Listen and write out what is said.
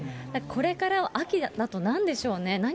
これから秋だとなんでしょうね。